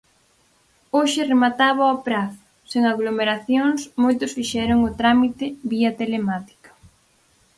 Hoxe remataba o prazo, sen aglomeracións moitos fixeron o tramite vía telemática.